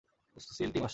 Seal team আসছে।